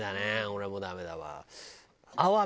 俺もダメだわ。